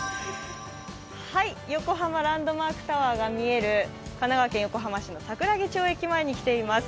横浜ランドマークタワーが見える神奈川県横浜市の桜木町駅前に来ています。